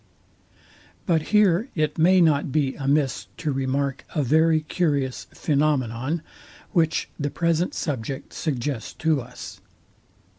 But here it may not be amiss to remark a very curious phænomenon, which the present subject suggests to us.